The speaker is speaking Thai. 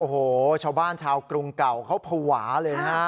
โอ้โหชาวบ้านชาวกรุงเก่าเขาภาวะเลยนะฮะ